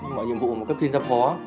mọi nhiệm vụ mà các phiên giám phó